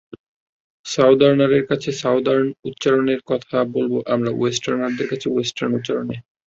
সাউদার্নারদের কাছে সাউদার্ন উচ্চারণে কথা বলব আমরা, ওয়েস্টার্নারদের কাছে ওয়েস্টার্ন উচ্চারণে।